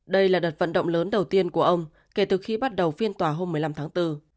đây là đợt vận động lớn đầu tiên của ông kể từ khi bắt đầu phiên tòa hôm một mươi năm tháng bốn